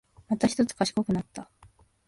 またひとつ賢くなった